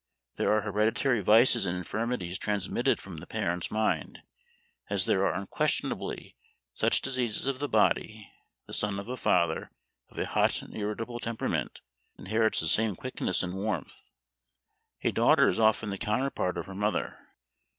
There are hereditary vices and infirmities transmitted from the parent's mind, as there are unquestionably such diseases of the body: the son of a father of a hot and irritable temperament inherits the same quickness and warmth; a daughter is often the counterpart of her mother.